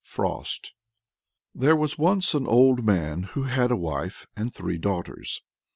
FROST. There was once an old man who had a wife and three daughters.